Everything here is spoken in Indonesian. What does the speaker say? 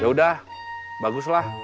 ya udah baguslah